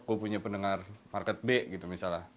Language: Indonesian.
aku punya pendengar market b gitu misalnya